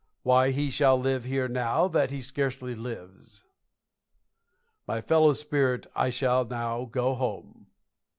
Why he shall live here now that he scarcely lives; my fellow spirit I shall now go home."